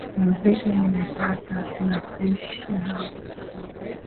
muziki nimepata na siishi hamu mmuuuh